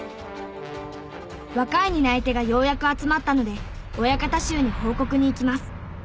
若い担い手がようやく集まったので親方衆に報告に行きます。